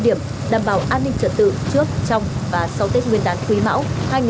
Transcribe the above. đảm bảo an ninh trận tự trước trong và sau tết nguyên đán quý mão hai nghìn hai mươi ba